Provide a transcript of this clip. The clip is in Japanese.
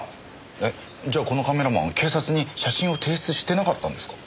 えっじゃあこのカメラマン警察に写真を提出してなかったんですか？